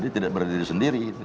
jadi tidak berdiri sendiri